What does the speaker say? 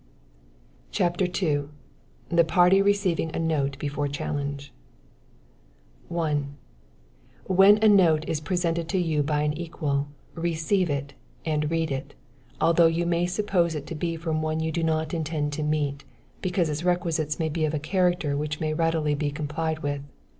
CHAPTER II. The Party Receiving a Note Before Challenge. 1. When a note is presented to you by an equal, receive it, and read it, although you may suppose it to be from one you do not intend to meet, because its requisites may be of a character which may readily be complied with.